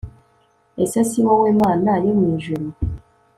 ese si wowe Mana yo mu ijuru